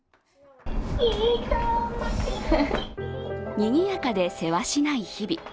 にぎやかでせわしない日々。